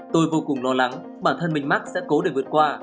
tôi vô cùng lo lắng bản thân mình mắc sẽ cố để vượt qua